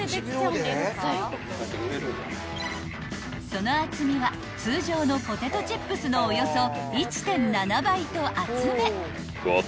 ［その厚みは通常のポテトチップスのおよそ１．７倍と厚め］